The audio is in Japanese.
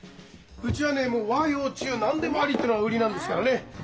うちはね和・洋・中何でもありってのが売りなんですからね。